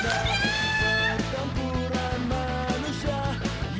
namun kamu jangan melu diri